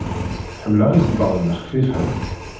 Ḥemmleɣ isebbaḍen xfifen.